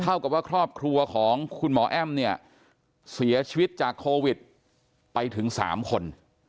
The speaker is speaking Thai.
กับว่าครอบครัวของคุณหมอแอ้มเนี่ยเสียชีวิตจากโควิดไปถึง๓คน